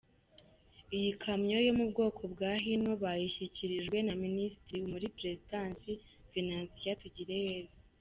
Iyi kamyo yo mu bwoko bwa Hino bayishyikirijwe na Minisitiri muri Perezidansi, Venantia Tugireyezu.